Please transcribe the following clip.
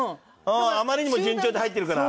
あまりにも順調に入ってるから。